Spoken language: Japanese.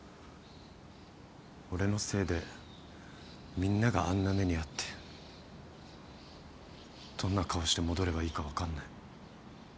俺のせいでみんながあんな目に遭ってどんな顔して戻ればいいか分かんねえ。